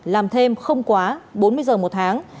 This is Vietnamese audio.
làm thêm không quá bốn mươi giờ một tháng